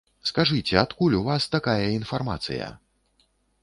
Скажыце, адкуль у вас такая інфармацыя?